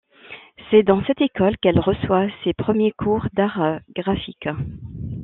C'est dans cette école qu'elle reçoit ses premiers cours d'art graphique.